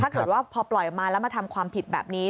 ถ้าเกิดว่าพอปล่อยออกมาแล้วมาทำความผิดแบบนี้